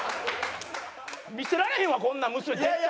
見せられへんわこんなん娘に絶対に。